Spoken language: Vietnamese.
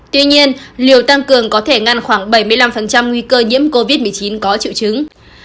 tuy nhiên liều tăng cường có thể ngăn khoảng bảy mươi năm nguy cơ nhiễm covid một mươi chín có triệu chứng